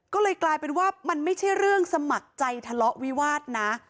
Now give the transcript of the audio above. ก็เลยกลายเป็นว่ามันไม่ใช่เรื่องสมัครใจทะเลาะวิวาสนะ